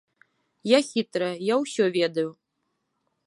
Я хітрая, я ўсё ведаю.